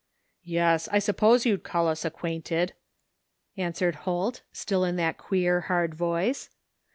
" Yes, I suppose you'd call us acquainted," answered Holt, still in that queer, hard voice.